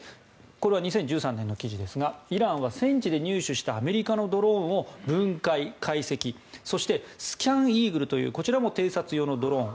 これは２０１３年の記事ですがイランは戦地で入手したアメリカのドローンを分解、解析そして、スキャンイーグルというこちらも偵察用のドローン